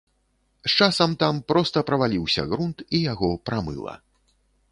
З часам там проста праваліўся грунт, і яго прамыла.